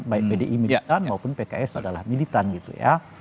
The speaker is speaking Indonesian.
baik pdi militan maupun pks adalah militan gitu ya